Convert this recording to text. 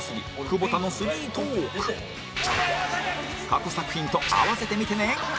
過去作品と併せて見てね